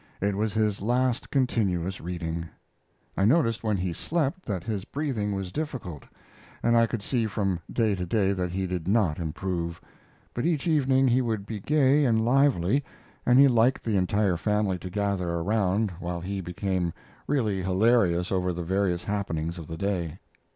It was his last continuous reading. I noticed, when he slept, that his breathing was difficult, and I could see from day to day that he did not improve; but each evening he would be gay and lively, and he liked the entire family to gather around, while he became really hilarious over the various happenings of the day.